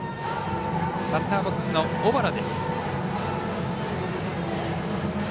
バッターボックスの小原です。